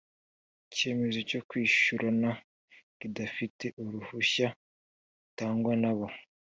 icyemezo cyo kwishyurana kidafite uruhushya rutangwa nabo